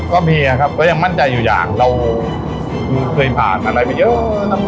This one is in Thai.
ก็มีครับก็ยังมั่นใจอยู่อย่างเราเคยผ่านอะไรมาเยอะ